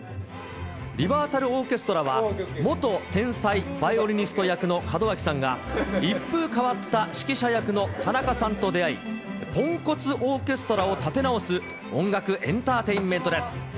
リバーサルオーケストラは元天才バイオリニスト役の門脇さんが、一風変わった指揮者役の田中さんと出会い、ポンコツオーケストラを立て直す、音楽エンターテインメントです。